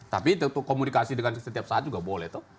tapi itu komunikasi dengan setiap saat juga boleh tuh